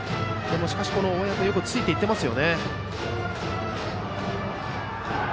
しかし大矢君もよくついていっています。